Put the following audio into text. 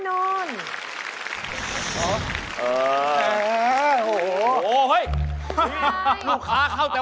โปรดติดตามต่อไป